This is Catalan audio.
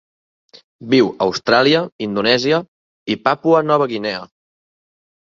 Viu a Austràlia, Indonèsia i Papua Nova Guinea.